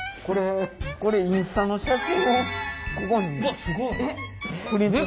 これインスタの写真をここにプリント。え？